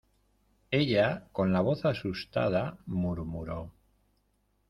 ella, con la voz asustada , murmuró: